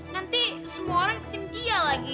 nanti semua orang bikin dia lagi